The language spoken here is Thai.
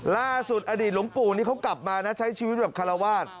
ล่าสุดอดีตหลวงปู่นี่เขากลับมานะใช้ชีวิตแบบคาราวาส